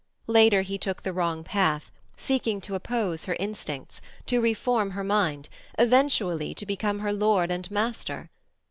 Later, he took the wrong path, seeking to oppose her instincts, to reform her mind, eventually to become her lord and master.